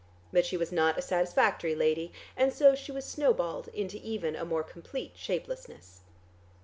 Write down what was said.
But she was not a satisfactory lady, and so she was snow balled into even a more complete shapelessness....